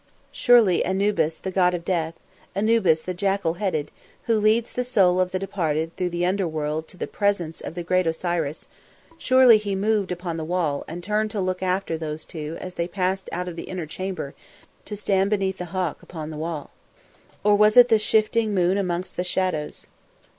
Surely Anubis the god of death, Anubis the jackal headed who leads the soul of the departed through the underworld into the presence of the great Osiris surely he moved upon the wall and turned to look after those two as they passed out of the inner chamber to stand beneath the Hawk upon the wall. Or was it the shifting of the moon amongst the shadows?